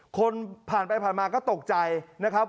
คนผ่านไปผ่านมาก็ตกใจนะครับ